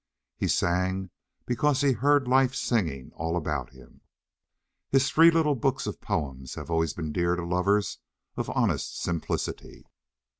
He sang because he heard life singing all about him. His three little books of poems have always been dear to lovers of honest simplicity.